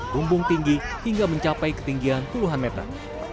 tumbung tinggi hingga mencapai ketinggian puluhan meter